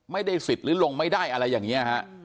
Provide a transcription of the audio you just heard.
ไม่ได้สิทธิ์หรือลงไม่ได้อะไรอย่างนี้ฮะ